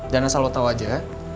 jangan salah lo tau aja